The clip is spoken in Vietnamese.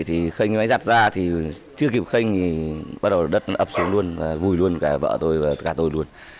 thì khênh máy giặt ra chưa kịp khênh thì bắt đầu đất ấp xuống luôn vùi luôn cả bọn tôi và cả tôi luôn